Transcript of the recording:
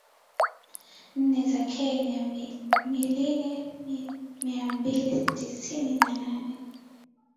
nne za Kenya milini miambili tisini na nane